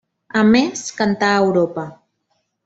A més cantà a Europa.